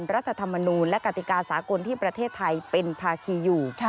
รัฐธรรมนูลและกติกาสากลที่ประเทศไทยเป็นภาคีอยู่